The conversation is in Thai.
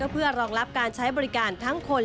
เพื่อรองรับการใช้บริการทั้งคน